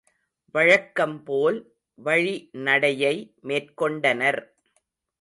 வழக்கம்போல் வழிநடையை மேற்கொண்டனர்.